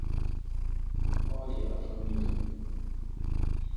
Olhe a formiga